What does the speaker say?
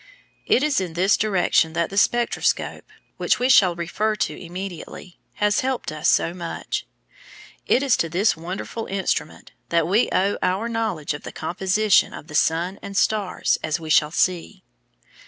It is in this direction that the spectroscope (which we shall refer to immediately) has helped us so much. It is to this wonderful instrument that we owe our knowledge of the composition of the sun and stars, as we shall see.